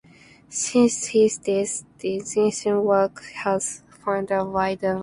Since his death, Eilshemius's work has found a wider audience.